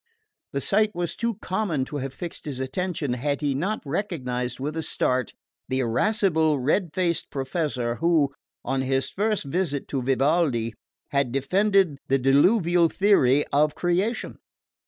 The sight was too common to have fixed his attention, had he not recognised with a start the irascible red faced professor who, on his first visit to Vivaldi, had defended the Diluvial theory of creation.